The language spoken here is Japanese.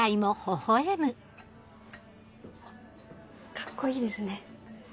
カッコいいですね。